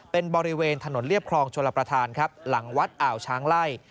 เป็นบริเวณถนนเรียบคลองชลประธานครับหลังวัดอ่าวช้างไล่